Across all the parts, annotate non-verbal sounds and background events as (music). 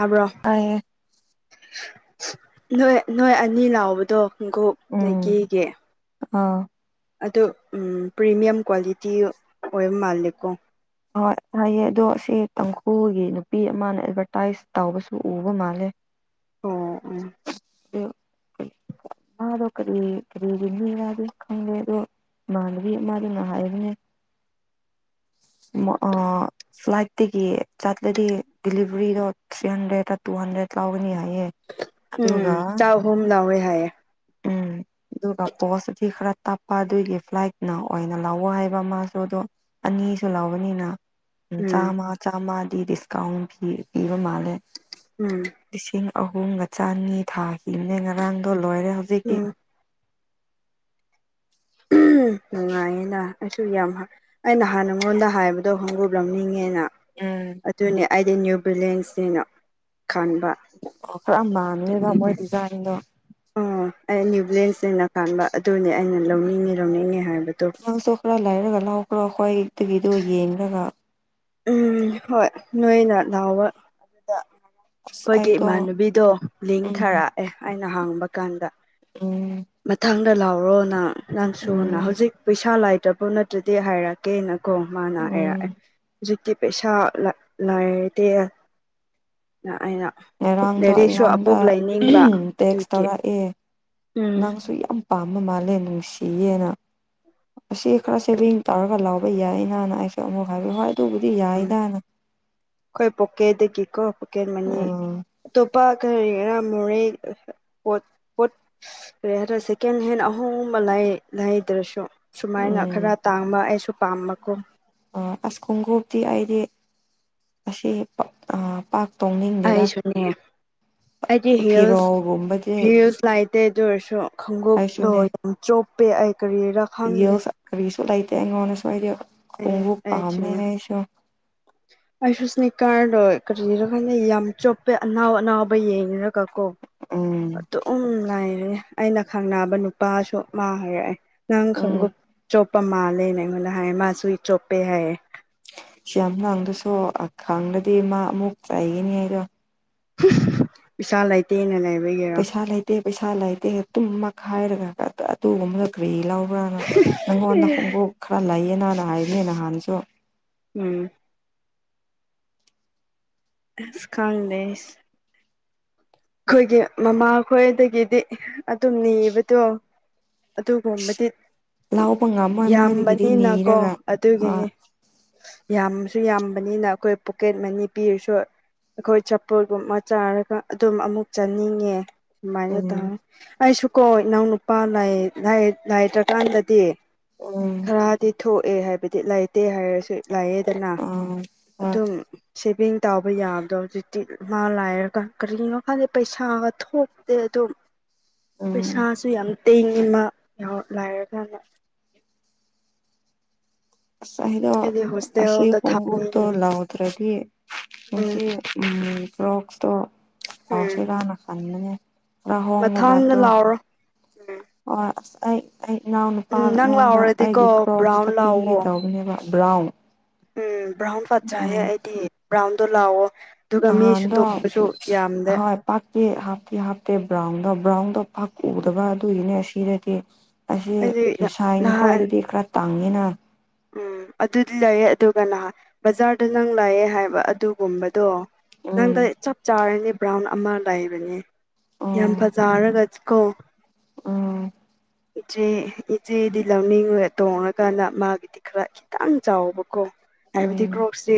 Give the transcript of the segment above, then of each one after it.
ꯍꯥꯏꯕ꯭ꯔꯣ ꯇꯥꯢꯌꯦ ꯅꯣꯏ ꯅꯣꯏ ꯑꯅꯤ ꯂꯥꯎꯕꯗꯣ ꯈꯣꯡꯀꯨꯞ ꯎꯝ ꯅꯥꯢꯀꯤꯒꯤ ꯑꯥ ꯑꯗ ꯄ꯭ꯔꯤꯃꯤꯌꯝ ꯀ꯭ꯋꯥꯂꯤꯇꯤ ꯑꯣꯏꯕ ꯃꯥꯜꯂꯦꯀꯣ ꯍꯣꯏ ꯍꯥꯏꯌꯦ ꯑꯗꯣ ꯁꯤ ꯇꯥꯡꯈꯨꯜꯒꯤ ꯅꯨꯄꯤ ꯑꯃꯅ ꯑꯦꯗꯚꯔꯇꯥꯏꯁ ꯇꯧꯕꯁꯨ ꯎꯕ ꯃꯥꯜꯂꯦ ꯑꯣ ꯎꯝ ꯑꯥ (unintelligible) ꯃꯥꯗꯣ ꯀꯔꯤ ꯀꯔꯤꯅꯤ ꯔ ꯑꯗꯨ ꯈꯪꯗꯣ ꯏꯃꯥꯅꯕꯤ ꯑꯃꯥꯗꯨꯅ ꯍꯥꯏꯕꯅꯦ ꯃꯣ ꯑꯥ ꯐ꯭ꯂꯥꯏꯗꯇꯒꯤ ꯆꯠꯂꯗꯤ ꯗꯗꯤꯂꯤꯚꯔꯤꯗꯣ ꯊ꯭ꯔꯤ ꯍꯟꯗ꯭ꯔꯦꯗ ꯇꯨ ꯍꯟꯗ꯭ꯔꯦꯠ ꯂꯥꯎꯒꯅꯤ ꯍꯥꯏꯌꯦ ꯑꯗꯨꯒ ꯎꯝ ꯆꯥꯍꯨꯝ ꯂꯎꯋꯦ ꯍꯥꯏꯌꯦ ꯑꯗꯨꯒꯥ ꯄꯣꯁꯇꯗꯤ ꯈꯔ ꯇꯥꯄ ꯑꯗꯨꯏꯒꯤ ꯐ꯭ꯂꯥꯏꯠꯅ ꯑꯣꯏꯅ ꯂꯥꯛꯑꯣ ꯍꯥꯏꯕ ꯃꯥꯁꯨ ꯑꯗꯣ ꯑꯅꯤꯁꯨ ꯂꯧꯕꯅꯤꯅ ꯎꯝ ꯆꯥꯝꯃ ꯆꯥꯝꯃꯗꯤ ꯗꯤꯁꯀꯥꯎꯟ ꯄꯤꯕ ꯃꯥꯜꯂꯦ ꯎꯝ ꯂꯤꯁꯤꯡ ꯑꯍꯨꯝꯒ ꯆꯅꯤ ꯊꯥꯈꯤꯕꯅꯦ ꯉꯔꯥꯡꯗꯣ ꯂꯣꯏꯔꯦ ꯍꯧꯖꯤꯛꯇꯤ ꯎꯝ ꯅꯨꯡꯉꯥꯏꯌꯦꯅ ꯑꯩꯁꯨ ꯌꯥꯝ ꯑꯩꯅ ꯍꯥꯟꯅꯉꯣꯟꯗ ꯍꯥꯏꯕꯗꯣ ꯈꯣꯉꯨꯞ ꯂꯧꯅꯤꯡꯉꯦꯅ ꯎꯝ ꯑꯗꯨꯅꯦ ꯑꯩꯗꯤ ꯅ꯭ꯌꯨ ꯕꯤꯂꯦꯟꯁꯅꯤꯅ ꯈꯟꯕ ꯑꯣꯈꯔꯥ ꯃꯥꯟꯅꯩꯕ ꯃꯣꯏ ꯗꯤꯖꯥꯏꯟꯗꯣ ꯑꯣ ꯑꯩ ꯅ꯭ꯌꯨ ꯕ꯭ꯂꯦꯟꯁꯅꯦꯅ ꯈꯟꯕ ꯑꯗꯨꯅꯦ ꯑꯩꯅ ꯂꯧꯅꯤꯡꯉꯤ ꯂꯧꯅꯤꯡꯉꯦ ꯍꯥꯏꯕꯗꯣ ꯑꯥꯡꯁꯨ ꯈꯔ ꯂꯩꯥꯏꯔꯒ ꯂꯥꯎꯈ꯭ꯔꯣ ꯑꯈꯣꯏꯗꯨꯒꯤꯗꯨ ꯌꯦꯡꯂꯒ ꯎꯝ ꯍꯣꯏ ꯅꯣꯏꯅ ꯅꯥꯎꯕ ꯑꯗꯨꯗ ꯑꯁ ꯑꯩꯈꯣꯏꯒꯤ ꯑꯩꯗꯣ ꯏꯃꯥꯟꯅꯕꯤꯗꯣ ꯂꯤꯡ ꯎꯝ ꯊꯥꯔꯛꯑꯦ ꯑꯩꯅ ꯍꯥꯡꯕ ꯀꯥꯟꯗ ꯎꯝ ꯃꯊꯥꯡꯗ ꯂꯥꯛꯔꯣ ꯅꯪ ꯅꯪꯁꯨꯅ ꯎꯝ ꯍꯧꯖꯤꯛ ꯄꯩꯁꯥ ꯂꯥꯏꯇꯕ ꯅꯠꯇ꯭ꯔꯗꯤ ꯍꯥꯏꯔꯛ ꯀꯦꯅꯀꯣ ꯃꯥꯅ ꯎꯝ ꯍꯥꯢꯔꯛꯑꯦ ꯍꯧꯖꯤꯛꯇꯤ ꯄꯩꯁꯥ ꯂꯩꯇꯦꯅ ꯑꯩꯅ ꯉꯔꯥꯡꯗꯣ ꯂꯥꯏꯔꯤꯛꯁꯨ ꯑꯩꯉꯣꯟꯗ ꯑꯃꯨꯛ ꯂꯩꯅꯤꯡꯕ ꯇꯦꯛꯁ ꯑꯗꯨꯒꯤ ꯇꯧꯔꯛꯑꯦ ꯎꯝ ꯅꯪꯁꯨ ꯌꯥꯝ ꯄꯥꯝꯕ ꯃꯥꯜꯂꯦ ꯅꯨꯡꯁꯤꯌꯦꯅ ꯑꯁꯤ ꯈꯔ ꯁꯦꯚꯦꯡ ꯇꯧꯔꯒ ꯂꯥꯎꯕ ꯌꯥꯏꯅꯅ ꯑꯩꯁꯦ ꯑꯃꯨꯛ ꯍꯥꯏꯕꯤꯌꯨ ꯍꯣꯏ ꯑꯗꯨꯕꯨꯗꯤ ꯎꯝ ꯌꯥꯏꯗꯅ ꯑꯩꯈꯣꯏ ꯄꯀꯦꯗꯒꯤꯀꯣ ꯄꯀꯦꯠ ꯃꯅꯤ ꯎꯝ ꯑꯇꯣꯞꯄ ꯀꯔꯤ ꯒꯤꯔ ꯃꯣꯔꯦ ꯄꯣꯠ ꯀꯔꯤ ꯍꯥꯏꯗꯔ ꯁꯦꯀꯦꯟ ꯍꯦꯟ ꯑꯍꯣꯡꯕ ꯂꯩꯗ꯭ꯔꯁꯨ꯫ ꯁꯨꯃꯥꯏꯅ ꯎꯝ ꯈꯔ ꯇꯥꯡꯕ ꯑꯩꯁꯨ ꯄꯥꯝꯕꯀꯣ꯫ ꯑꯁ ꯈꯣꯡꯒꯞꯇꯤ ꯑꯩꯗꯤ ꯑꯁꯤꯥꯛ ꯑ ꯄꯛ꯫ ꯑꯩꯁꯨꯅꯦ ꯑꯩꯗꯤ ꯍꯤꯜꯁ ꯐꯤꯔꯣꯜꯒꯨꯝꯕꯗꯤ ꯍꯤꯜꯁ꯫ ꯂꯥꯏꯇꯦ ꯑꯗꯨ ꯑꯣꯏꯔꯁꯨ ꯈꯣꯡꯎꯞꯗꯣ ꯑꯩꯁꯨꯅꯦ ꯌꯥꯝ ꯆꯣꯞꯄꯦ ꯑꯩ ꯀꯔꯤꯔ꯫ ꯀꯔꯤꯁꯨ ꯂꯩꯇꯦ ꯑꯩꯉꯣꯟꯗꯁꯨ ꯍꯥꯏꯗꯤ ꯑꯦ ꯈꯣꯡꯕꯨꯨ ꯄꯥꯝꯃꯦ ꯑꯩꯁꯨ꯫ ꯑꯩꯏꯁꯨ ꯏꯁꯅꯤ ꯀꯥꯔꯗꯣ ꯀꯔꯤꯔ ꯈꯥꯟꯗ ꯌꯥꯝ ꯆꯣꯞꯄꯦ ꯑꯅꯥꯎ ꯑꯅꯥꯎꯕ ꯌꯦꯡꯉꯔꯒ ꯀꯣ꯫ ꯎꯝ ꯑꯗꯨꯝ ꯂꯥꯏꯔꯦ ꯑꯩꯅ ꯈꯪꯅꯕ ꯅꯨꯄꯥꯁꯨ ꯃꯥ ꯍꯥꯏꯔꯛꯑꯦ꯫ ꯅꯪ ꯎꯝ ꯈꯪꯎꯞ ꯆꯣꯞꯄ ꯃꯥꯜꯂꯦꯅꯦ ꯑꯩꯉꯣꯟꯗ ꯍꯥꯏ ꯃꯥ ꯁꯨ ꯑꯩ ꯆꯣꯞꯄꯦ ꯍꯥꯏꯌꯦ꯫ ꯁꯤ ꯌꯥꯝ ꯂꯥꯡꯗꯁꯨ ꯑꯈꯥꯡꯗꯗꯤ ꯃꯥ ꯑꯃꯨꯛ ꯆꯥꯏꯒꯤꯅꯤ ꯍꯥꯏꯗꯣ꯫ ꯄꯩꯥ ꯂꯩꯇꯦꯅ ꯂꯩꯕꯒꯤꯔꯣ꯫ ꯑꯩ ꯄꯩꯁꯥ ꯂꯩꯇꯦ ꯇꯨꯝꯃꯛꯈꯥꯏꯔꯒ ꯑꯗꯨꯒꯨꯝꯕ ꯗꯣ ꯭ꯀꯔꯤ ꯂꯥꯎ꯫ ꯃꯥꯅ ꯅꯪꯉꯣꯟꯗ ꯈꯣꯡꯎꯞ ꯈꯔ ꯂꯩꯌꯦꯅ ꯍꯥꯟꯅ ꯍꯥꯏꯕꯅꯤ ꯅꯍꯥꯟꯁꯨ꯫ ꯎꯝ꯫ ꯑꯁ ꯀꯥꯟꯗꯦꯁ꯫ ꯑꯩꯈꯣꯏꯒꯤ ꯃꯃꯥ ꯈꯣꯏꯗꯒꯤꯗꯤ ꯑꯗꯨꯝ ꯅꯕꯗꯣ꯫ ꯑꯗꯨꯒꯨꯝꯕꯗꯤ ꯂꯧꯕ ꯉꯝꯃꯣꯏ ꯃꯣꯏꯗꯒꯤꯗꯤ ꯌꯥꯝꯕꯅꯤꯅꯀꯣ ꯅꯤꯔꯒ ꯍꯣꯏ ꯑꯗꯨꯒꯤꯅꯤ꯫ ꯌꯥꯝꯁꯨ ꯌꯥꯝꯕꯅꯤꯅ ꯑꯩꯈꯣꯏ ꯄꯣꯀꯦꯠ ꯃꯅꯤ ꯄꯤꯔꯁꯨ꯫ ꯑꯩꯈꯣꯏ ꯆꯄꯨꯨꯔꯒꯨꯝꯕ ꯆꯥꯔꯒ ꯑꯗꯨꯝ ꯑꯃꯨꯛ ꯆꯥꯅꯤꯡꯉꯦ ꯁꯨꯃꯥꯏꯅ ꯎꯝ ꯇꯧ꯫ ꯑꯩꯁꯨꯀꯣ ꯏꯅꯥꯎ ꯅꯨꯨꯄꯥ ꯂꯩꯥꯏ ꯂꯩꯇ꯭ꯔꯀꯥꯟꯗꯗꯤ꯫ ꯑꯣꯝ꯫ ꯈꯔꯗꯤ ꯊꯣꯛꯑꯦ ꯍꯥꯏꯕꯗꯤ ꯂꯩꯥꯏꯇꯦ ꯍꯥꯏꯔꯁꯨ꯫ ꯂꯩꯌꯦꯗꯅ ꯎꯝ ꯍꯣꯏ ꯑꯗꯨ ꯁꯦꯕꯤꯡ꯫ ꯇꯥꯎꯕ ꯌꯥꯕꯗꯣ ꯍꯧꯖꯤꯛꯇꯤ ꯃꯥ ꯂꯥꯏꯔꯒ꯫ ꯀꯔꯤꯒꯤꯅꯣ ꯀꯥꯟꯗ ꯄꯩꯁꯥꯒ ꯊꯣꯛꯇꯦ ꯑꯗꯣ ꯎꯝ ꯄꯩꯁꯥꯁꯨ ꯌꯥꯝ꯫ (unintelligible) ꯏꯃ ꯂꯥꯏꯔꯀꯥꯟꯗ꯫ ꯑꯩꯗꯣ ꯑꯩꯗꯤ ꯑꯁꯤ ꯍꯣꯁꯇꯦꯜꯗ ꯈꯣꯡꯎꯞꯇꯨ ꯊꯝꯅꯤꯡꯉꯤ ꯂꯥꯎꯗ꯭ꯔꯗꯤ ꯎꯝ ꯉꯁꯤ꯫ ꯎꯝ ꯀ꯭ꯔꯣꯁꯇꯣ ꯎꯝ ꯁꯥꯎꯁꯤꯔꯅꯥ ꯈꯥꯟꯕꯅꯦ꯫ ꯑꯍꯣꯡ ꯃꯥ ꯃꯊꯪꯗ ꯇꯣ꯫ ꯂꯥꯎꯔꯣ ꯎꯝ ꯑꯣ ꯑꯁ ꯑꯩ ꯑꯩ ꯏꯅꯥꯎ ꯅꯨꯄꯥ ꯎꯝ ꯅꯪ ꯑꯩꯉꯣꯟꯗ ꯑꯩꯒꯤ ꯂꯥꯎꯔꯗꯤꯀꯣ ꯀ꯭ꯔꯣꯛꯁꯇ ꯕ꯭ꯔꯥꯎꯟ ꯄꯤꯒꯦ ꯂꯥꯎꯋꯣ ꯇꯧꯕꯅꯦꯕ꯫ ꯕ꯭ꯔꯥꯎꯟ꯫ ꯎꯝ ꯕ꯭ꯔꯥꯎꯟ ꯐꯠ ꯆꯍꯦ ꯎꯝ ꯑꯩꯗꯤ ꯕ꯭ꯔꯥꯎꯟꯗꯣ ꯂꯥꯛꯑꯣ꯫ ꯑꯗꯨꯒ ꯃꯤꯁꯨ ꯇꯣꯡꯕꯁꯨ ꯌꯥꯝꯗꯦ꯫ ꯄꯥꯛꯇꯦ ꯍꯥꯞꯇꯦ ꯍꯥꯞꯇꯦ ꯕ꯭ꯔꯥꯎꯟꯗꯣ ꯕ꯭ꯔꯥꯎꯟꯗꯣ ꯄꯥꯛꯎꯗꯕ ꯑꯗꯨꯒꯤꯅꯦ ꯑꯁꯤꯗꯗꯤ꯫ ꯑꯁꯤ ꯑꯩꯗꯤ ꯌꯨꯁꯥꯏꯟ ꯅꯍꯥꯟ ꯈ꯭ꯋꯥꯏꯗꯗꯤ ꯈꯔ ꯇꯥꯡꯉꯤꯅ꯫ ꯎꯝ ꯑꯗꯨꯗꯤ ꯂꯩꯌꯦ ꯑꯗꯨꯒ ꯅꯍꯥꯟ ꯕꯖꯥꯔꯗ ꯅꯪ ꯂꯥꯛꯑꯦ ꯍꯥꯏꯕ ꯑꯗꯨꯒꯨꯝꯕꯗꯣ꯫ ꯎꯝ ꯅꯪꯗ ꯆꯞ ꯆꯥꯔꯅꯦ ꯕ꯭ꯔꯥꯎꯟ ꯑꯃ ꯂꯩꯕꯅꯦ ꯌꯥꯝ ꯎꯝ ꯐꯖꯔꯒ꯫ ꯀꯣ꯫ ꯎꯝ꯫ ꯏꯆꯦ ꯏꯆꯦꯗꯤ ꯂꯧꯅꯤꯡꯉ ꯇꯣꯡꯉꯀꯥꯟꯗ ꯃꯥꯒꯤꯗꯤ ꯈꯔ ꯈꯤꯇꯪ ꯆꯥꯎꯕꯀꯣ꯫ ꯍꯥꯏꯕꯗꯤ ꯎꯝ ꯀ꯭ꯔꯣꯛꯁꯤ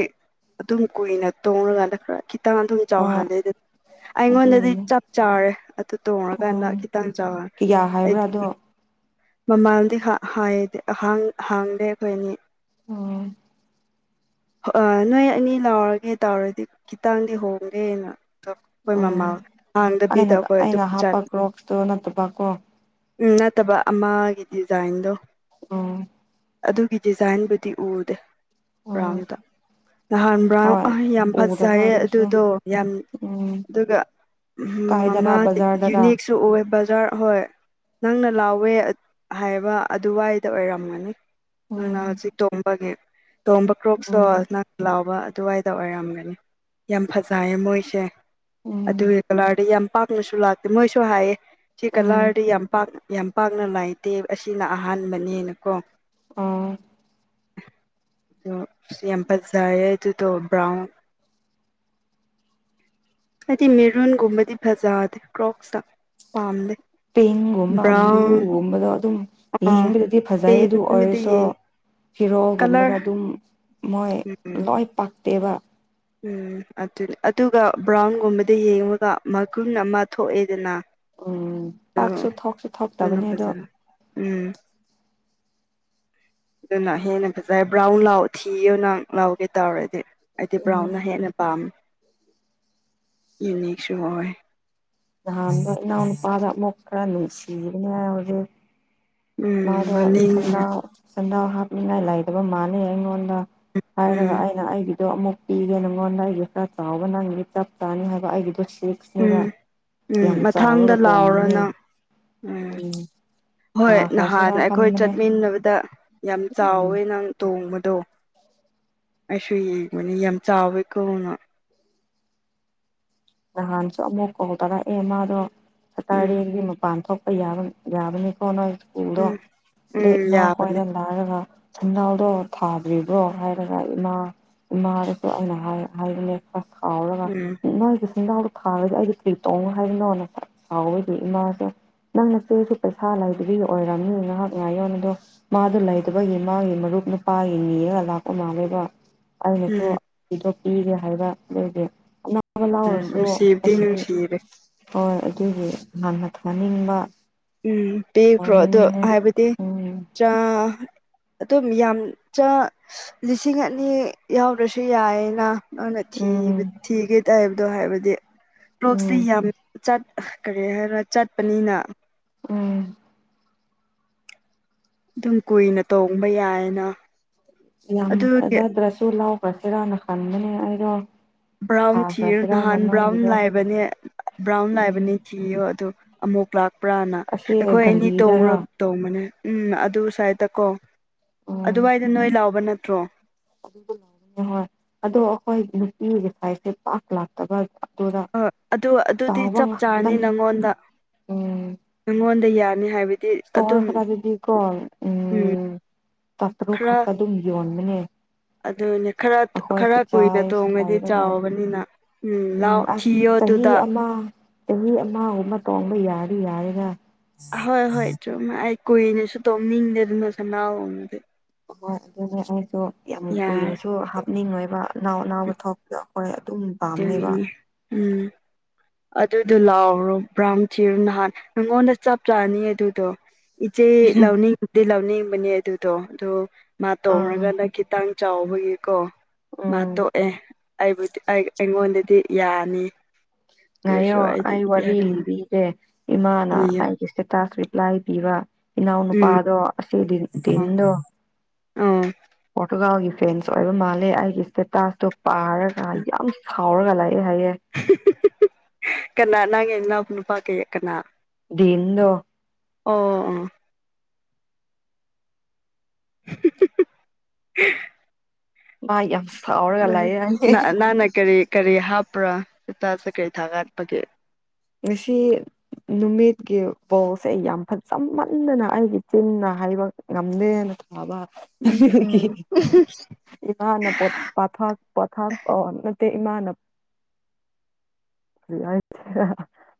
ꯑꯗꯨꯝ ꯀꯨꯏꯅ ꯇꯣꯡꯉꯀꯥꯟꯗ ꯈꯔ ꯈꯤꯇꯪ ꯑꯗꯨꯝ꯫ ꯍꯣꯏ ꯆꯧꯍꯂꯦꯗ꯫ ꯑꯩꯉꯣꯟꯗꯗꯤ ꯑꯗꯨꯒꯤꯅꯦ ꯆꯞ ꯆꯥꯔꯦ ꯑꯗꯨ ꯇꯣꯡꯉꯀꯥꯟꯗ ꯎꯝ ꯈꯤꯇꯪ ꯆꯥꯎꯔ ꯀꯤꯌꯥ ꯍꯥꯏꯕ꯭ꯔꯥ ꯍꯥꯏꯗꯤ꯫ ꯑꯗꯣ ꯃꯃꯥꯜꯗꯤ ꯍꯥꯏ ꯍꯥꯡꯗꯦ ꯑꯩꯈꯣꯏꯅꯤ꯫ ꯑꯣꯝ꯫ ꯑ ꯅꯣꯏ ꯑꯅꯤ ꯂꯥꯎꯔꯒꯦ ꯇꯧꯔꯗꯤ ꯈꯤꯇꯪꯗꯤ ꯍꯣꯡꯒꯦꯅ꯫ ꯑꯩꯈꯣꯏ ꯎꯝ ꯃꯃꯥ ꯍꯥꯡꯗꯕꯤꯗ ꯑꯩꯅ ꯑꯩꯈꯣꯏ ꯑꯗꯨꯝ ꯑꯩꯅ ꯍꯥꯞꯄ ꯆꯥꯠ꯫ ꯀ꯭ꯔꯣꯛꯁꯇꯣ ꯅꯠꯇꯕꯀꯣ ꯎꯝ ꯅꯠꯇꯕ ꯑꯃꯒꯤ ꯗꯤꯖꯥꯏꯟꯗꯣ꯫ ꯎꯝ꯫ ꯑꯗꯨꯒꯤ ꯗꯤꯖꯥꯏꯟꯕꯨꯗꯤ ꯎꯗꯦ꯫ ꯎꯝ ꯕ꯭ꯔꯥꯎꯟꯗ ꯅꯍꯥꯟ ꯕ꯭ꯔꯥꯎꯟ ꯍꯣꯏ ꯑ ꯌꯥꯝ ꯎꯗꯕ ꯐꯖꯩꯌꯦ ꯑꯗꯨꯁꯨ ꯑꯗꯨꯗꯣ ꯌꯥꯝ ꯎꯝ ꯑꯗꯨꯒ ꯀꯥꯏꯗꯔꯥ ꯃꯃꯥ ꯕꯖꯥꯔꯗꯔꯥ ꯌꯨꯅꯤꯛꯁꯨ ꯑꯣꯏ ꯕꯖꯥꯔ ꯍꯣꯏ ꯅꯪꯅ ꯂꯥꯎꯋꯦ ꯍꯥꯏꯕ ꯑꯗꯨꯋꯥꯏꯗ ꯑꯣꯏꯔꯝꯃꯅꯤ ꯎꯝ ꯅꯪꯅ ꯍꯧꯖꯤꯛ ꯇꯣꯡꯕꯒꯤ ꯇꯣꯝꯕ ꯀ꯭ꯔꯣꯛꯇꯣ ꯎꯝ ꯅꯪ ꯂꯥꯎꯕ ꯑꯗꯨꯋꯥꯏꯗ ꯑꯣꯏꯔꯝꯒꯅꯤ ꯌꯥꯝ ꯐꯖꯩꯌꯦ ꯃꯣꯏꯁꯦ ꯎꯝ ꯑꯗꯨꯒꯤ ꯀꯂꯔꯗꯤ ꯌꯥꯝ ꯄꯥꯛꯅꯁꯨ ꯂꯥꯛꯇꯦ ꯃꯣꯏꯁꯨ ꯍꯥꯏꯌꯦ ꯁꯤ ꯎꯝ ꯀꯂꯔꯗꯤ ꯌꯥꯝ ꯄꯥꯛ ꯌꯥꯝ ꯄꯥꯛꯅ ꯂꯥꯏꯇꯦ ꯑꯁꯤꯅ ꯑꯍꯥꯟꯕꯅꯦꯅꯀꯣ ꯑꯣ ꯑꯗꯨ ꯌꯥꯝ ꯄꯠꯖꯔꯦ ꯑꯗꯨꯗꯣ ꯕ꯭ꯔꯥꯎꯟ ꯑꯩꯗꯤ ꯃꯦꯔꯨꯟꯒꯨꯝꯕꯗꯤ ꯐꯖꯗꯦ ꯀ꯭ꯔꯣꯛꯁꯇ ꯄꯥꯝꯗꯦ ꯄꯤꯡꯒꯨꯝꯕ ꯕ꯭ꯔꯥꯎꯟ ꯕ꯭ꯂꯨꯒꯨꯝꯕꯗꯣ ꯑꯗꯨꯝ ꯑꯥ ꯌꯦꯡꯕꯗꯗꯤ ꯐꯖꯩ ꯑꯗꯨ ꯄꯤꯡꯕꯨꯗꯤ ꯑꯣꯏꯔꯁꯨ ꯌꯦꯡ ꯐꯤꯔꯣꯜꯒꯨꯝꯕꯗ ꯀꯂꯔ ꯑꯗꯨꯝ ꯃꯣꯏ ꯎꯝ ꯂꯣꯏ ꯄꯛꯇꯦꯕ ꯎꯝ ꯑꯗꯨꯅꯤ ꯑꯗꯨꯒ ꯕ꯭ꯔꯥꯎꯟꯒꯨꯝꯕꯗ ꯌꯦꯡꯉꯒ ꯃꯒꯨꯟ ꯑꯃ ꯊꯣꯛꯑꯦꯗꯅ ꯎꯝ ꯑꯗꯨ ꯄꯥꯛꯁꯨ ꯊꯣꯛꯁꯨ ꯑꯗꯨꯅ ꯊꯣꯛꯇꯕꯅꯦ ꯑꯗꯣ ꯐꯖꯅ ꯎꯝ ꯑꯗꯨꯅ ꯍꯦꯟꯅ ꯐꯖꯩ ꯕ꯭ꯔꯥꯎꯟ ꯂꯥꯎ ꯊꯤꯌꯣ ꯅꯪ ꯂꯥꯎꯒꯦ ꯇꯧꯔꯗꯤ ꯇꯤ ꯎꯝ ꯕ꯭ꯔꯥꯎꯟꯅ ꯍꯦꯟꯅ ꯄꯥꯝ ꯌꯨꯅꯤꯛꯁꯨ ꯑꯣꯏ ꯅꯍꯥꯟꯗꯣ ꯏꯅꯥꯎ ꯅꯨꯄꯥꯗ ꯑꯃꯨꯛ ꯈꯔ ꯅꯨꯡꯁꯤꯕꯅꯦ (unintelligible) ꯎꯝ ꯃꯥꯗꯣ ꯃꯅꯤꯡꯅ ꯁꯟꯗꯥꯎ ꯁꯟꯗꯥꯎ ꯍꯥꯞꯅꯤꯡꯉꯥꯏ ꯂꯩꯇꯕ ꯃꯥꯥꯟꯂꯦ ꯑꯩꯉꯣꯟꯗ ꯍꯥꯏꯔꯒ ꯎꯝ ꯑꯩ ꯑꯩꯅ ꯑꯩꯒꯤꯗꯣ ꯑꯃꯨꯛ ꯄꯤꯒꯦ ꯅꯉꯣꯟꯗ ꯑꯩꯒꯤ ꯈꯔ ꯆꯥꯎꯕ ꯅꯪꯒꯤꯗꯤ ꯆꯞ ꯆꯥꯅꯤ ꯍꯥꯏꯕ ꯑꯩꯒꯤꯗꯣ ꯁꯤ ꯎꯝ ꯎꯝ ꯃꯊꯪꯗ ꯂꯥꯎꯔꯣ ꯇꯣꯡꯕꯅꯦ ꯅꯪ ꯎꯝ ꯍꯣꯏ ꯅꯍꯥꯟ ꯊꯥꯈ꯭ꯔꯁꯤꯔꯥ ꯑꯩꯈꯣꯏ ꯈꯟꯕꯅꯦ ꯆꯠꯃꯤꯟꯅꯕꯗ ꯌꯥꯝ ꯎꯝ ꯆꯥꯎꯋꯦ ꯅꯪ ꯇꯣꯡꯕꯗꯣ ꯑꯩꯁꯨ ꯌꯦꯡꯕꯅꯤ ꯌꯥꯝ ꯆꯥꯎꯋꯦꯀꯣꯅ ꯅꯍꯥꯟꯁꯨ ꯑꯃꯨꯛ ꯀꯣꯜ ꯇꯧꯔꯛꯑꯦ ꯃꯥꯗꯣ ꯎꯝ ꯁꯇꯥꯔꯗꯦꯒꯤ ꯃꯄꯥꯟ ꯊꯣꯛꯄ ꯌꯥꯔꯣꯏ ꯌꯥꯕꯅꯤꯀꯣ ꯅꯣꯏ ꯁ꯭ꯀꯨꯜꯗꯣ ꯎꯝ ꯎꯝ ꯂꯤꯛ ꯃꯥ ꯍꯣꯏ ꯌꯥꯕꯅꯤ ꯂꯥꯔꯒ (unintelligible) ꯊꯥꯗ꯭ꯔꯤꯕ꯭ꯔꯣ ꯍꯥꯏꯔꯒ ꯏꯃꯥ ꯏꯃꯥꯗꯁꯨ ꯑꯩꯅ ꯍꯥꯏ ꯍꯥꯏꯕꯅꯦ ꯈꯔ ꯈꯥꯎꯔꯒ ꯎꯝ (unintelligible) ꯍꯣꯡꯅꯥꯎꯗꯣ ꯊꯥꯔꯒ ꯑꯩꯕꯨ ꯀꯔꯤ ꯇꯣꯡꯉꯣ ꯍꯥꯏꯕꯅꯣꯅ (unintelligible) ꯏꯃꯥꯥꯁꯦ ꯅꯪꯅꯆꯦꯁꯨ ꯄꯩꯁꯥ ꯂꯩꯇꯕꯒꯤ ꯑꯣꯏꯔꯝꯅꯤ ꯉꯥꯏꯍꯥꯛ ꯉꯥꯏꯌꯣꯟ ꯑꯗꯣ ꯃꯥꯗꯨ ꯂꯩꯇꯕꯒꯤ ꯃꯥꯒꯤ ꯃꯔꯨꯞ ꯅꯨꯄꯥꯒꯤ ꯅꯤꯔꯒ ꯂꯥꯛꯄ ꯃꯥꯜꯂꯦꯕ ꯑꯩꯁꯨ ꯎꯝ ꯍꯦꯛꯇ ꯄꯤꯒꯦ ꯍꯥꯏꯕ ꯂꯩꯒꯦ ꯑꯅꯥꯕ ꯎꯝ ꯂꯥꯎꯔꯁꯨ ꯑꯣ ꯅꯨꯡꯁꯤꯕꯗꯤ ꯑꯁꯤ ꯅꯨꯡꯁꯤꯔꯦ ꯍꯣꯏ ꯑꯗꯨꯒꯤ ꯌꯥꯝꯅ ꯊꯥꯅꯤꯡꯕ ꯎꯝ ꯄꯤꯈ꯭ꯔꯣ ꯑꯗꯨ ꯇꯧꯅꯤꯡꯕꯅꯦ ꯍꯥꯏꯕꯗꯤ ꯎꯝ ꯆꯥ ꯑꯗꯨꯝ ꯌꯥꯝ ꯆꯥ ꯂꯤꯁꯤꯡ ꯑꯅꯤ ꯌꯥꯎꯗ꯭ꯔꯁꯨ ꯌꯥꯏꯅ ꯅꯪꯅ ꯎꯝ ꯊꯤꯕ ꯊꯤꯒꯦ ꯇꯥꯏꯕꯗꯣ ꯍꯥꯏꯕꯗꯤ ꯀꯔꯣꯛꯁꯇꯤ ꯎꯝ ꯌꯥꯝ ꯆꯠ ꯀꯔꯤ ꯍꯥꯏꯔ ꯆꯠꯄꯅꯤꯅ ꯎꯝ ꯑꯗꯨꯝ ꯀꯨꯏꯅ ꯇꯣꯡꯕ ꯌꯥꯏꯅ ꯌꯥꯝ ꯐꯖꯗ꯭ꯔꯁꯨ ꯂꯥꯎꯈ꯭ꯔꯁꯤꯔꯅ ꯈꯟꯕꯅꯦ ꯑꯩꯗꯣ ꯕ꯭ꯔꯥꯎꯟ ꯊꯤꯌꯨ ꯊꯥꯈ꯭ꯔꯁꯤꯔꯥꯅ ꯅꯍꯥꯟ ꯕ꯭ꯔꯥꯎꯟ ꯃꯥꯒꯤꯗꯣ ꯂꯥꯏꯕꯅꯤ ꯕ꯭ꯔꯥꯎꯟ ꯎꯝ ꯂꯥꯏꯕꯅꯦ ꯊꯤꯌꯣ ꯑꯗꯨ ꯑꯃꯨꯛ ꯂꯥꯛꯄ꯭ꯔꯥꯅ ꯑꯁꯤ ꯑꯩꯈꯣꯏ ꯑꯅꯤ ꯇꯣꯡꯔ ꯒꯂꯤꯗꯔꯥ ꯇꯣꯡꯕꯅꯦ ꯎꯝ ꯑꯗꯨ ꯁ꯭ꯋꯥꯏꯗ ꯀꯣ ꯑꯗꯨꯋꯥꯏꯗ ꯅꯣꯏ ꯂꯥꯎꯕ ꯅꯠꯇ꯭ꯔꯣ ꯑꯗꯨ ꯍꯣꯏ ꯑꯗꯣ ꯑꯩꯈꯣꯏ ꯅꯨꯄꯤꯒꯤ ꯁꯥꯏꯁꯦ ꯄꯥꯛ ꯂꯥꯛꯇꯕ ꯑꯗꯨꯗ ꯑ ꯑꯗꯨ ꯑꯗꯨꯗꯤ ꯆꯥꯎꯕ ꯆꯞ ꯆꯥꯔꯅꯤ ꯉꯥꯛꯇꯅꯦ ꯅꯪꯉꯣꯟꯗ ꯎꯝ ꯅꯪꯉꯣꯟꯗ ꯌꯥꯅꯤ ꯍꯥꯏꯕ ꯏꯁꯇꯣꯔ ꯈꯔꯒꯗꯤꯀꯣ ꯎꯝ ꯇꯥꯇꯔꯨꯛ ꯈꯔ ꯈꯛꯇ ꯑꯗꯨꯝ ꯌꯣꯟꯕꯅꯦ ꯑꯗꯨꯅꯦ ꯈꯔ ꯈꯔ ꯑꯩꯈꯣꯏꯁꯨ ꯀꯨꯏꯅ ꯆꯥꯏ ꯇꯣꯡꯉꯗꯤ ꯂꯩꯔꯒ ꯆꯥꯎꯕꯅꯤꯅ ꯎꯝ ꯂꯥꯎ ꯊꯤꯌꯣ ꯑꯗꯨꯗ ꯆꯍꯤ ꯑꯃ ꯆꯍꯤ ꯑꯃꯒꯨꯝꯕ ꯇꯣꯡꯕ ꯌꯥꯔꯗꯤ ꯌꯥꯔꯦꯅ ꯍꯣꯏ ꯍꯣꯏ ꯆꯨꯝꯃꯦ ꯑꯩ ꯀꯨꯏꯅꯁꯨ ꯇꯧꯅꯤꯡꯗꯦ ꯑꯗꯨꯅ ꯁꯅꯥꯎꯗꯤ ꯑꯣꯏ ꯑꯗꯨꯅꯦ ꯑꯩꯁꯨ ꯌꯥꯝ ꯌꯥꯔꯦ ꯀꯨꯏꯅꯁꯨ (unintelligible) ꯅꯤꯡ ꯑꯣꯏꯕ ꯑꯅꯥꯎ ꯑꯅꯥꯎꯕ ꯊꯔꯛꯄꯗ ꯑꯩꯈꯣꯔꯦ ꯑꯗꯨꯝ ꯀꯔꯤ ꯄꯥꯝꯅꯦꯕ ꯎꯝ ꯑꯗꯨꯗꯣ ꯂꯥꯎꯑꯣꯔꯣ ꯕ꯭ꯔꯥꯎꯟ ꯆꯤꯔꯣ ꯅꯍꯥꯟ ꯅꯉꯣꯟꯗ ꯆꯞ ꯆꯥꯅꯤ ꯑꯗꯨꯗꯣ ꯏꯆꯦ ꯂꯧꯅꯤꯡꯗꯤ ꯂꯧꯅꯤꯡꯕꯅꯦ ꯑꯗꯨꯗꯣ ꯑꯗꯨꯗꯣ ꯃꯥ ꯑꯥ ꯇꯣꯡꯔꯒꯅ ꯈꯤꯇꯪ ꯆꯥꯎꯕꯒꯤꯀꯣ ꯃꯥ ꯎꯝ ꯇꯣꯛꯑꯦ ꯑꯩꯕꯨꯗꯤ ꯑꯩꯉꯣꯟꯗꯗꯤ ꯌꯥꯅꯤ꯫ ꯑꯗꯨ ꯑꯣꯏꯔꯁꯨ ꯉꯥꯏꯌꯣ ꯑꯩꯗꯤ ꯑꯥ ꯌꯥꯔꯦ ꯋꯥꯔꯤꯔꯂꯕꯦꯒꯦ ꯏꯃꯥꯅ ꯂꯤꯌꯣ ꯑꯩ ꯇ ꯔꯤꯄ꯭ꯂꯥꯏ ꯄꯤꯕ ꯏꯅꯥꯎ ꯎꯝ ꯅꯨꯄꯥꯗꯣ ꯑꯁꯤ ꯇꯤꯟꯗꯣ ꯎꯝ ꯄꯣꯔꯇꯨꯒꯥꯎꯒꯤ ꯐꯦꯟꯁ ꯑꯣꯏꯕ ꯃꯥꯜꯂꯦ ꯑꯩꯒꯤ ꯏꯁꯇꯦꯇꯥꯁꯇꯣ ꯄꯥꯔꯛ ꯑ ꯌꯥꯝ ꯁꯥꯎꯔꯒꯂꯑꯌꯦ ꯍꯥꯏꯌꯦꯑꯦ꯫ ꯀꯅꯥ ꯅꯪꯒꯤ ꯏꯅꯥꯎ ꯅꯨꯄꯥ ꯀꯩ ꯀꯅꯥ ꯗꯃꯗꯣ ꯑꯣ ꯑꯣ (inaudible) ꯚꯏ ꯌꯥꯝ ꯁꯥꯑꯣ ꯅꯪꯅ ꯀꯔꯤ ꯀꯔꯤ ꯍꯥꯞꯄ꯭ꯔꯥ ꯍꯇꯥꯁꯦ ꯀꯔꯤ ꯊꯥꯒꯠꯄꯒꯦ꯫ ꯉꯁꯤ ꯅꯨꯃꯤꯠꯀꯤ ꯄꯥꯎꯁꯦ ꯌꯥꯝ ꯐ ꯆꯃꯟꯗꯅ ꯑꯩꯒꯤ ꯆꯤꯟꯅ ꯍꯥꯏꯕ ꯉꯗꯦꯅ ꯄꯥꯕ ꯎꯝ ꯎꯝ ꯏꯃꯥꯅ ꯄꯊꯥꯛ ꯄꯣꯊꯥ ꯅꯠꯇꯦ ꯏꯃꯥꯅ ꯁꯦ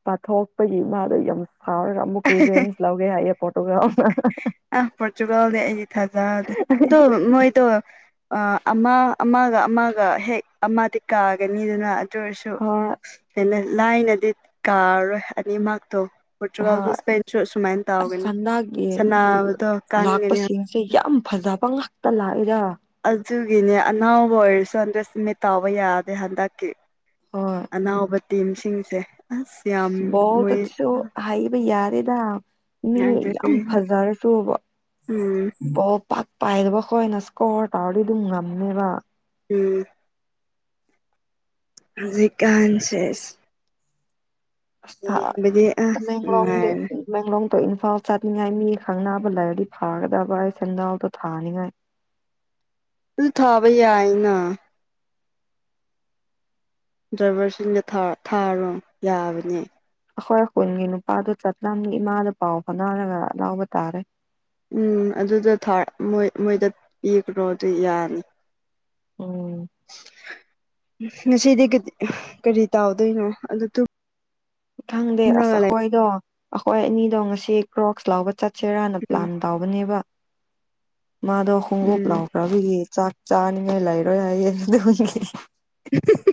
ꯄꯥꯊꯣꯛꯄꯒꯤ ꯃꯥꯗ ꯌꯥꯝ ꯁꯥꯎꯔ ꯑꯃꯨꯛꯔꯤꯕꯟꯁ ꯂꯒꯦ ꯍꯥꯏ ꯐꯣꯇꯣꯒ꯭ꯔꯥ ꯑꯗꯨ ꯃꯣꯏꯗꯨ ꯑꯃ ꯑꯃꯒ ꯑꯃꯒ ꯍꯦꯛ ꯑꯃꯗꯤ ꯀꯥꯒꯅꯤꯗꯨꯅ ꯇ ꯑꯣꯏꯔꯁꯨ ꯍꯣꯏ ꯍꯦꯟꯅ ꯂꯥꯏꯅꯗꯤ ꯀꯥꯔꯔꯣꯏ ꯑꯅꯤꯃꯛꯇꯣ ꯍꯣꯏ ꯄꯦꯟꯁꯨ ꯁꯨꯃꯥꯏꯅ ꯑꯁ ꯇꯥꯎꯒꯅꯤ ꯍꯟꯗꯛꯒꯤ ꯁꯅꯕꯗꯣ ꯀꯥꯟꯒꯅꯤ꯫ ꯁꯤ ꯌꯥꯝ ꯐꯖꯕ ꯉꯇ ꯂꯥꯛꯏꯔ ꯑꯗꯨꯒꯤꯅꯦ ꯑꯅꯥꯎꯕ ꯑꯣꯏꯔꯁꯨ ꯍꯟꯗ꯭ꯔꯁꯃꯦꯠ ꯇꯥꯎꯕ ꯌꯥꯗꯦ ꯍꯟꯗꯛꯀꯤ꯫ ꯍꯣꯏ ꯑꯅꯥꯎꯕ ꯇꯤꯝꯁꯤꯡꯁꯦ꯫ ꯑꯁ ꯌꯥꯝ ꯕꯣꯜ ꯃꯣꯏ ꯗꯁꯨ ꯍꯥꯏꯌꯦ ꯩ ꯌꯥꯔꯦꯗ꯫ ꯃꯤ ꯎꯝ ꯌꯥꯝ ꯎꯝ ꯐꯖꯔꯁꯨꯕꯣꯜ ꯄꯥꯛ ꯄꯥꯏꯗꯕꯈꯣꯏꯅ ꯏꯁꯀꯣꯔ ꯇꯧꯔꯗꯤ ꯑꯗꯨꯝ ꯉꯝꯅꯦꯕ꯫ ꯎꯝ ꯍꯧꯖꯤꯛ ꯀꯥꯟꯁꯦꯁ ꯑꯁ ꯊ ꯑꯁ ꯇꯥꯃꯦꯂꯣꯗꯤ ꯅꯨꯡꯉꯥꯏꯔꯦ ꯫ ꯃꯦꯡꯂꯣꯡꯗꯣ ꯏꯝꯐꯥꯜ ꯆꯠꯅꯤꯡꯉꯥꯏ ꯃꯤ ꯈꯪꯅꯕ ꯂꯥꯏꯔꯗꯤ ꯐꯥꯒꯗꯕ ꯑꯩ ꯁꯦꯡꯖꯜꯗꯣ ꯊꯥꯅꯤꯡꯉꯥꯏ꯫ ꯑꯗꯨ ꯊꯥꯕ ꯌꯥꯏꯅ꯫ ꯗ꯭ꯔꯥꯏꯚꯔꯁꯤꯡꯒ ꯊꯥꯔꯣ ꯌꯥꯕꯅꯦ꯫ ꯑꯩꯈꯣꯏ ꯑꯀꯨꯟꯒꯤ ꯅꯨꯄꯥꯗꯨꯣ ꯆꯠꯅꯝꯅꯤ ꯏꯃꯥꯗ ꯄꯥꯎ ꯐꯅꯥꯔꯒ ꯂꯥꯎꯕ ꯇꯥꯔꯦ꯫ ꯎꯝ ꯑꯗꯨꯗ ꯊ ꯃꯣꯏ ꯃꯣꯏꯗ ꯄꯤꯈ꯭ꯔꯣ ꯑꯗꯨ ꯌꯥꯅꯤ꯫ ꯎꯝ ꯉꯁꯤꯗꯤ ꯀꯔꯤ ꯇꯥꯎꯗꯣꯏꯅꯣ ꯑꯗꯨ ꯈꯪꯗꯦ ꯑꯁ ꯇꯨꯝꯔꯒ ꯂꯩ ꯑꯩꯈꯣꯏꯗꯣ ꯑꯩꯈꯣꯏ ꯑꯅꯤꯗꯣ ꯉꯁꯤ ꯀ꯭ꯔꯣꯛꯁ ꯂꯥꯎꯕ ꯆꯠꯁꯦꯔꯥꯅ ꯎꯝ ꯄ꯭ꯂꯥꯟ ꯇꯥꯎꯕꯅꯦꯕ ꯃꯥꯗꯣ ꯍꯣꯡꯒꯞ ꯎꯝ ꯂꯥꯛꯑꯣ ꯔꯕꯤ ꯆꯥꯛ ꯆꯥꯅꯤꯉ ꯂꯩꯔ ꯍꯥꯏꯌꯦ ꯑꯗꯨꯒꯤ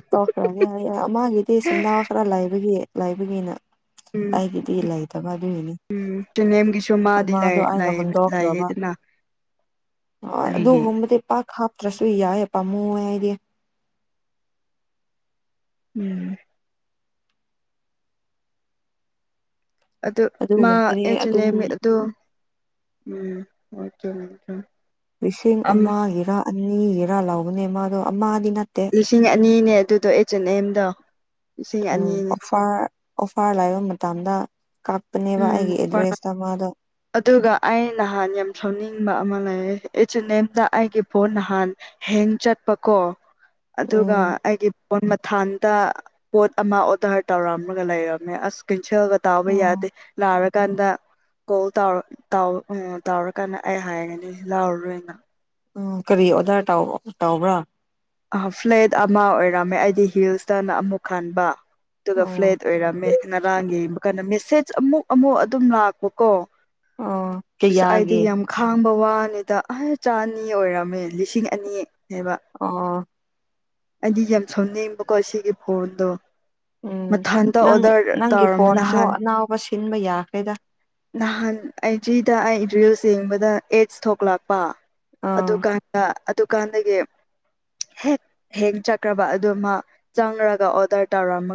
ꯇꯧꯈ꯭ꯔꯒꯦ ꯑꯃꯒꯤꯒꯤꯗꯤ ꯁꯦꯟꯗꯥꯕ ꯈꯔ ꯂꯥꯏꯕꯒꯤ ꯂꯥꯏꯕꯒꯤꯅ ꯀꯥꯏꯒꯤꯗꯤ ꯏꯂꯥꯏꯗ ꯃ ꯑꯗꯨꯅꯤ꯫ ꯆꯨꯅꯝꯒꯤꯁꯨ ꯃꯥꯗꯤ ꯍꯨꯟꯗꯣꯛꯈ꯭ꯔꯕ ꯂꯥꯏꯌꯦꯗꯅ꯫ ꯍꯣꯏ ꯑꯗꯨꯒꯨꯝꯕꯗꯤ ꯄꯥꯛ ꯍꯥꯞꯇ꯭ꯔꯁꯨ ꯌꯥꯏ ꯄꯥꯝꯃꯨ ꯑꯩꯗꯤ꯫ ꯎꯝ ꯑꯗꯨ ꯃꯥ ꯑꯗꯨꯒꯨꯝꯕꯗꯤ ꯑꯗꯨꯝ ꯑꯦꯅꯦꯃꯤ ꯑ ꯎꯝ ꯂꯤꯁꯤꯡ ꯑꯃ ꯍꯔꯥ ꯑꯅꯤ ꯍꯔꯥ ꯂꯧꯕꯅꯦ ꯃꯥꯗꯣ ꯑꯃꯗꯤꯗꯤ ꯅꯠꯇꯦ ꯂꯤꯁꯤꯡ ꯑꯅꯤꯅꯦ ꯑꯗꯨꯗꯣ ꯑꯩꯆ ꯑꯦꯟ ꯑꯦꯝꯗ ꯎꯝ ꯑꯣꯐꯔ ꯑꯣꯐꯥꯔ ꯂꯥꯏꯕ ꯃꯇꯝꯗ ꯀꯥꯞꯄꯅꯦꯕ ꯎꯝ ꯑꯩꯒꯤ ꯐꯔ ꯑꯦꯗ꯭ꯔꯦꯁꯇ ꯃꯥꯗꯣ ꯑꯗꯨꯒ ꯑꯩ ꯅꯍꯥꯟ ꯌꯥꯝ ꯁꯥꯎꯅꯤꯡꯕ ꯑꯃ ꯂꯩꯌꯦ ꯑꯦꯁ ꯅꯦꯝꯗ ꯑꯩꯒꯤ ꯄꯣꯠ ꯅꯍꯥꯟ ꯍꯦꯟ ꯆꯠꯄꯀꯣ ꯑꯗꯨꯒ ꯎꯝ ꯑꯩꯒꯤ ꯄꯣꯣꯟ ꯃꯊꯥꯟꯗ ꯄꯣꯠ ꯑꯃ ꯑꯣꯗꯔ ꯇꯧꯔꯝꯃꯒ ꯂꯩꯔꯝꯃꯦ ꯑꯁ ꯀꯟꯁꯑꯒ ꯇꯥꯕ ꯌꯥꯗꯦ ꯎꯝ ꯂꯥꯛꯔꯀꯥꯟꯗ ꯀꯣꯜ ꯎ ꯇꯧꯔꯀꯥꯟꯗ ꯑꯩ ꯍꯥꯏꯒꯅꯤ ꯂꯥꯎꯔꯔꯣꯏꯅ ꯎꯝ ꯀꯔꯤ ꯑꯣꯗꯔ ꯇꯧꯕ꯭ꯔꯥ ꯑ ꯐ꯭ꯂꯦꯠ ꯑꯃ ꯑꯣꯏꯔꯝꯃꯦ ꯑꯩꯗꯤ ꯍꯤꯜꯁꯇꯅ ꯑꯃꯨꯛ ꯈꯟꯕ ꯑꯗꯨꯒ ꯎꯝ ꯐ꯭ꯂꯦꯠ ꯑꯣꯏꯔꯝꯃꯦ ꯉꯔꯥꯡ ꯌꯦꯡꯕ ꯀꯥꯟꯗ ꯃꯦꯁꯦꯖ ꯑꯃꯨꯛ ꯑꯃꯨꯛ ꯑꯗꯨꯝ ꯂꯥꯛꯄꯀꯣ ꯑꯣ ꯥꯏꯗꯤ ꯀꯌꯥꯒꯤ ꯌꯥꯝ ꯈꯥꯡꯕ ꯋꯥꯅꯤꯗ ꯑ ꯆ ꯑꯅꯤ ꯑꯣꯏꯔꯝꯃꯦ ꯂꯤꯁꯤꯡ ꯑꯅꯤ ꯍꯥꯏꯕ ꯑꯣ ꯑꯩꯗꯤ ꯌꯥꯝ ꯁꯥꯎꯅꯤꯡꯕꯀꯣ ꯁꯤꯒꯤ ꯐꯣꯟꯗꯣ ꯎꯝ ꯃꯊꯟꯇ ꯅꯪ ꯑꯣꯗꯔ ꯅꯪꯒꯤ ꯇꯧꯔꯝꯃꯦ ꯐꯣꯟꯁꯨ ꯅꯍꯥꯟ ꯑꯅꯥꯎꯕ ꯁꯤꯟꯕ ꯌꯥꯈ꯭ꯔꯦꯗ ꯅꯍꯥꯟ ꯑꯩꯖꯤꯗ ꯑꯩ ꯗ꯭ꯔꯤꯜꯁ ꯌꯦꯡꯕꯗ ꯑꯦꯠꯁ ꯊꯣꯛꯂꯛꯄ ꯑꯗꯨ ꯑꯥ ꯀꯥꯟ ꯑꯗꯨ ꯀꯥꯟꯗꯗꯒꯤ ꯍꯦꯛ ꯍꯦꯛ ꯆꯠꯈ꯭ꯔꯕ ꯑꯗꯨꯃ ꯆꯪꯔꯒ ꯑꯣꯗꯔ ꯇꯧꯔꯝꯃꯒ